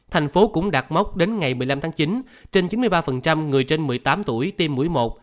thành phố cũng đạt mốc đến ngày một mươi năm tháng chín trên chín mươi ba người trên một mươi tám tuổi tiêm mũi một